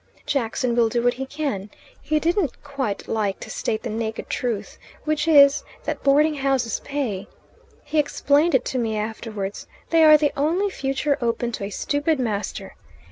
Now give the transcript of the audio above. Jackson will do what he can. He didn't quite like to state the naked truth which is, that boardinghouses pay. He explained it to me afterwards: they are the only, future open to a stupid master.